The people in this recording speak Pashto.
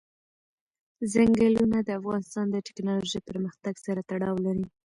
ځنګلونه د افغانستان د تکنالوژۍ پرمختګ سره تړاو لري.